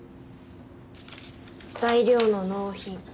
材料の納品